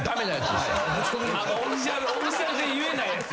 オフィシャルで言えないやつ。